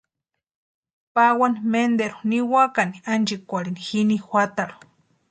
Pawani menteru niwakani ánchikwarhini jini juatarhu.